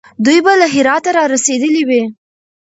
دوی به له هراته را رسېدلي وي.